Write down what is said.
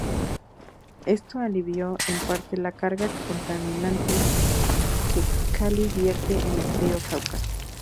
Esto alivió en parte la carga contaminante que Cali vierte en el río Cauca.